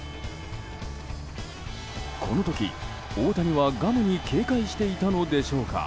この時、大谷はガムに警戒していたのでしょうか。